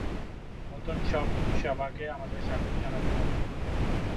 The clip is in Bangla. নতুন সব সেবাকে আমাদের স্বাগত জানাতে হবে।